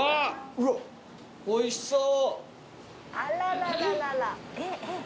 うわっおいしそう。